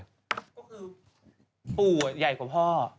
ก็คือปู่ใหญ่กว่าพ่อ